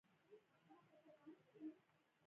ازادي راډیو د سوله په اړه د سیمینارونو راپورونه ورکړي.